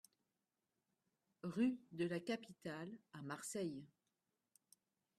Rue de la Capitale à Marseille